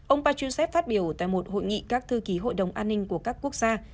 ông pachusev phát biểu tại một hội nghị các thư ký hội đồng an ninh của các quốc gia